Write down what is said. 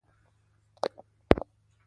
ډاکټره ماسي وايي، سونا ټول بدن ګرموالی ورکوي.